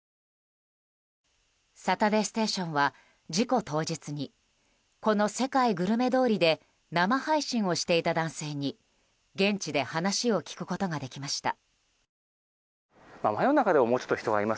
「サタデーステーション」は事故当日にこの世界グルメ通りで生配信をしていた男性に現地で話を聞くことができました。